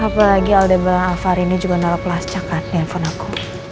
apalagi aldebaran alfarini juga nolak pelas cakat nelfon aku